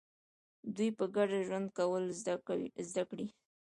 دوی په ګډه ژوند کول زده کړي.